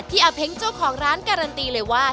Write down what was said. อาเพ้งเจ้าของร้านการันตีเลยว่า